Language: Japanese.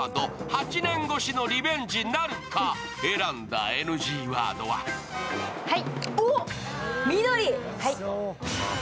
８年越しのリベンジなるか、選んだＮＧワードはおっ、緑。